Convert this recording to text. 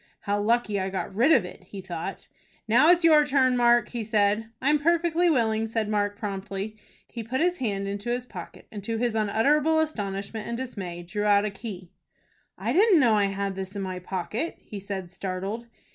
"How lucky I got rid of it!" he thought. "Now it's your turn, Mark," he said. "I'm perfectly willing," said Mark, promptly. He put his hand into his pocket, and, to his unutterable astonishment and dismay, drew out a key. "I didn't know I had this in my pocket," he said, startled.